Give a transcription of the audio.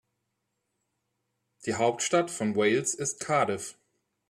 Die Hauptstadt von Wales ist Cardiff.